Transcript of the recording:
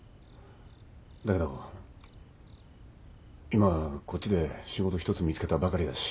だけど今はこっちで仕事一つ見つけたばかりだし